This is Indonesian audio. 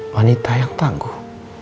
wanita yang tangguh